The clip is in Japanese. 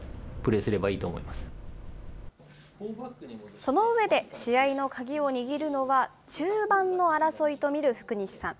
その上で、試合の鍵を握るのは、中盤の争いと見る福西さん。